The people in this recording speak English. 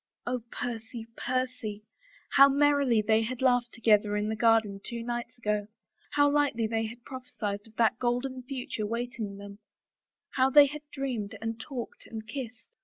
Oh, Percy, Percy I How merrily they had laughed together in the garden two nights ago, how lightly they had prophesied of that golden future waiting them, how they had dreamed and talked and kissed